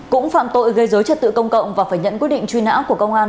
cũng phạm tội gây dối trật tự công cộng và phải nhận quyết định truy nã của công an